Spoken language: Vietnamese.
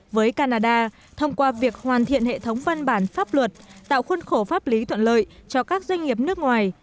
với canada thông qua việc hoàn thiện hệ thống văn bản pháp luật tạo khuôn khổ pháp lý thuận lợi cho các doanh nghiệp nước ngoài